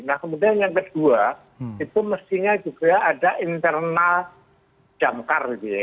nah kemudian yang kedua itu mestinya juga ada internal jamkar gitu ya